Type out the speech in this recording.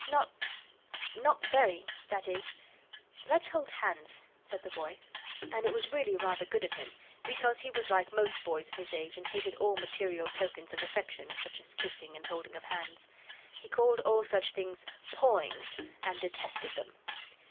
"Not not very, that is " "Let's hold hands," said the boy, and it was really rather good of him, because he was like most boys of his age and hated all material tokens of affection, such as kissing and holding of hands. He called all such things "pawings," and detested them.